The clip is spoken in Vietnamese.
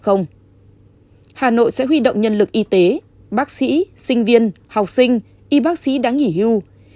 hà nội sẽ huy động nhân lực y tế bác sĩ sinh viên học sinh y bác sĩ đáng nghỉ hưu